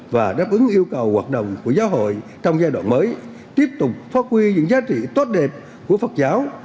và đáp ứng yêu cầu hoạt động của giáo hội trong giai đoạn mới tiếp tục phát huy những giá trị tốt đẹp của phật giáo